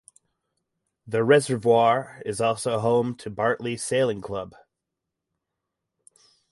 The reservoir is also home to Bartley Sailing Club.